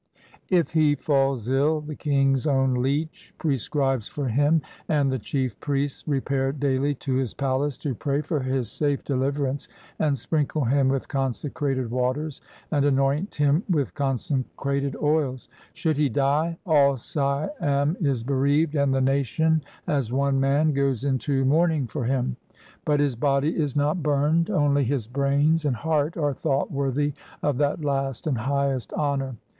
If he falls ill, the king's own leech prescribes for him, and the chief priests repair daily to his palace to pray for his safe deliverance and sprinkle him with consecrated waters and anoint him with consecrated oils. Should he die, all Siam is bereaved, and the nation, as one man, goes into mourning for him. But his body is not burned; 266 THE RECEPTION OF A WHITE ELEPHANT only his brains and heart arc thought worthy of that last and highest honor.